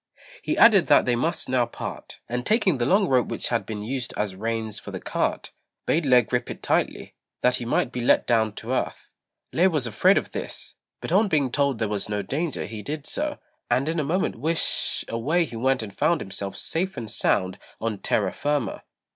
He added that they must now part; and taking the long rope which had been used as reins for the cart, bade Lê grip it tightly, that he might be let down to earth. Lê was afraid of this, but on being told there was no danger he did so, and in a moment whish h h h h away he went and found himself safe and sound on terra firma.